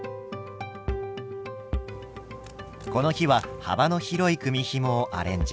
この日は幅の広い組みひもをアレンジ。